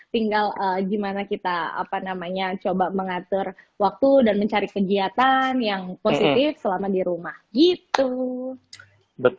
tinggal gimana kita coba mengatur waktu dan mencari kegiatan yang positif selama di rumah gitu